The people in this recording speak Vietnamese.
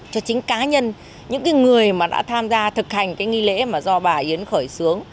cho chính cá nhân những cái người mà đã tham gia thực hành cái nghi lễ mà do bà yến khởi xướng